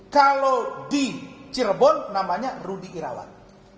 kalau di cirebon namanya rudy irawan